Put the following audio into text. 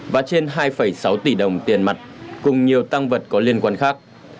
và trên hai sáu tỷ đồng tiền mặt cùng nhiều tăng vật có liên quan khác